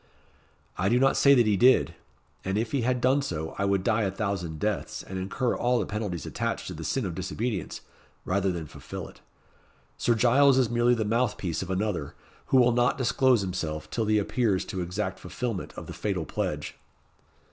"I do not say that he did; and if he had done so, I would die a thousand deaths, and incur all the penalties attached to the sin of disobedience, rather than fulfil it. Sir Giles is merely the mouth piece of another, who will not disclose himself till he appears to exact fulfilment of the fatal pledge."